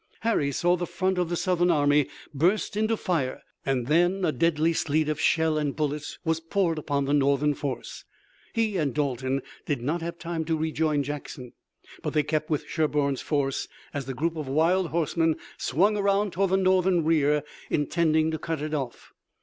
Harry saw the front of the Southern army burst into fire, and then a deadly sleet of shell and bullets was poured upon the Northern force. He and Dalton did not have time to rejoin Jackson, but they kept with Sherburne's force as the group of wild horsemen swung around toward the Northern rear, intending to cut it off.